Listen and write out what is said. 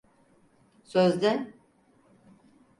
Sözde…